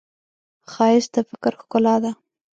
ښایست د فکر ښکلا ده